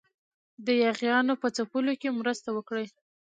د یاغیانو په ځپلو کې مرسته وکړي.